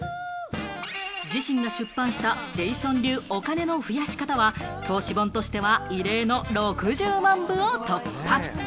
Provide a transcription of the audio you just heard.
自身が出版した『ジェイソン流お金の増やし方』は投資本としては異例の６０万部を突破。